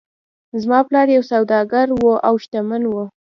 زما پلار یو سوداګر و او شتمن و.